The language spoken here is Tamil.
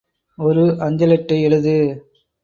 ஒரு அஞ்சலட்டை எழுது!